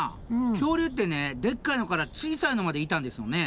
恐竜ってねでっかいのから小さいのまでいたんですよね？